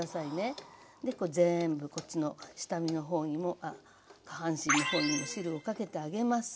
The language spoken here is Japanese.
で全部こっちの下身の方にも下半身の方にも汁をかけてあげます。